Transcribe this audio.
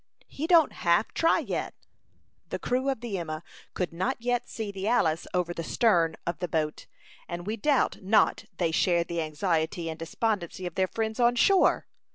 He don't half try yet." The crew of the Emma could not yet see the Alice over the stern of the boat, and we doubt not they shared the anxiety and despondency of their friends on shore.